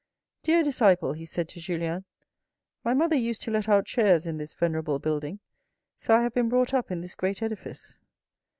" Dear disciple," he said to Julien. " My mother used to let out chairs in this venerable building, so I have been brought up in this great edifice.